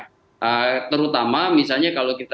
nah terutama misalnya kalau kita